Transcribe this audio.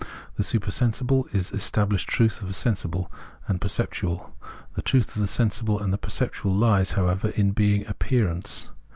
The supersensible is the estabhshed truth of the sensible and perceptual. The truth of the sensible and the perceptual lies, however, in being appearance.